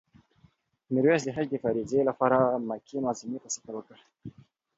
میرویس د حج د فریضې لپاره مکې معظمې ته سفر وکړ.